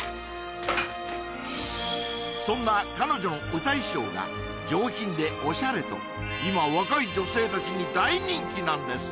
そんな彼女の歌衣装が上品でオシャレと今若い女性達に大人気なんです